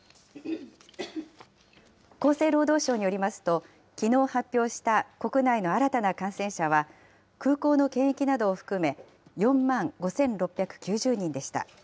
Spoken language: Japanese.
厚生労働省によりますと、きのう発表した国内の新たな感染者は、空港の検疫などを含め、４万５６９０人でした。